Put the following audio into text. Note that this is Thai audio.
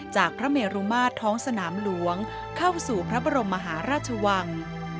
พระเมรุมาตรท้องสนามหลวงเข้าสู่พระบรมมหาราชวัง